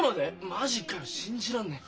マジかよ信じらんねえ。